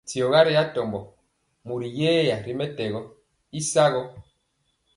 Diɔga ri atombo mori yɛya ri mɛtɛgɔ y sagɔ.